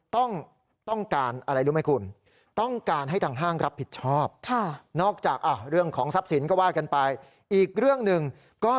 ทำขวัญอะไรแบบนี้นะครับใช่แล้วก็รองเท้าของเธอนะ